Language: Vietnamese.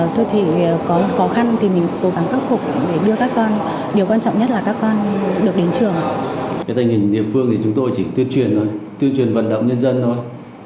tình hình địa phương thì chúng tôi chỉ tuyên truyền thôi tuyên truyền vận động nhân dân thôi